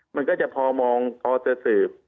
มันก็จะพอมองพอจะสืบ